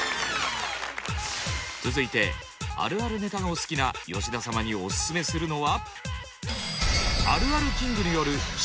続いてあるあるネタがお好きな吉田様にオススメするのは。